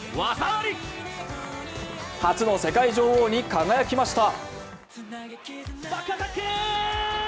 初の世界女王に輝きました。